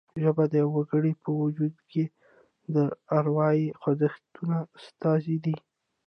ژبه د یوه وګړي په وجود کې د اروايي خوځښتونو استازې ده